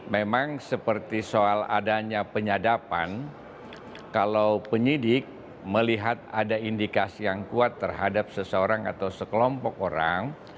memang seperti soal adanya penyadapan kalau penyidik melihat ada indikasi yang kuat terhadap seseorang atau sekelompok orang